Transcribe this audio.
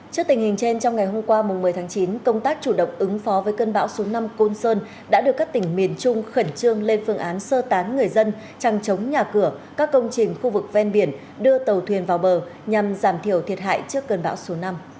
trước tình hình trên trong ngày hôm qua một mươi tháng chín công tác chủ động ứng phó với cơn bão số năm côn sơn đã được các tỉnh miền trung khẩn trương lên phương án sơ tán người dân trăng chống nhà cửa các công trình khu vực ven biển đưa tàu thuyền vào bờ nhằm giảm thiểu thiệt hại trước cơn bão số năm